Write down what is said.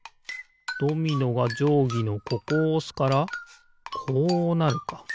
ドミノがじょうぎのここをおすからこうなるか。